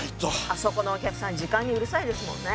あそこのお客さん時間にうるさいですもんね。